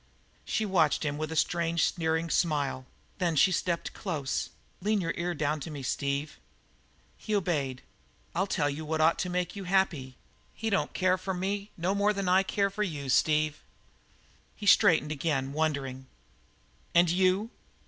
She watched him with a strange, sneering smile. Then she stepped close. "Lean your ear down to me, Steve." He obeyed. "I'll tell you what ought to make you happy. He don't care for me no more than I care for you, Steve." He straightened again, wondering. "And you?"